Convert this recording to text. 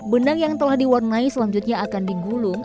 benang yang telah diwarnai selanjutnya akan digulung